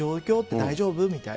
大丈夫？みたいな。